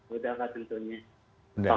sudah pak tentunya